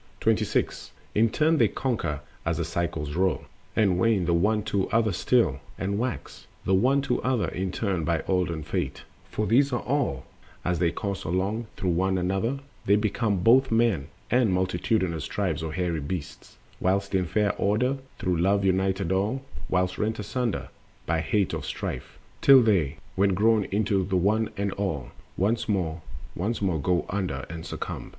The Law of the Elements. 26. In turn they conquer as the cycles roll, And wane the one to other still, and wax The one to other in turn by olden Fate; For these are all, and, as they course along Through one another, they become both men And multitudinous tribes of hairy beasts; Whiles in fair order through Love united all, Whiles rent asunder by the hate of Strife, Till they, when grown into the One and All Once more, once more go under and succumb.